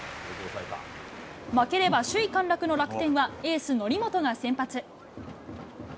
負ければ首位陥落の楽天は、エース、則本が先発。